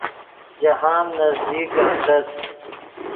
جاہند نزدیک استت